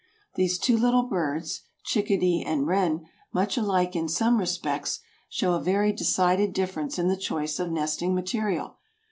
These two little birds (chickadee and wren), much alike in some respects, show a very decided difference in the choice of nesting material.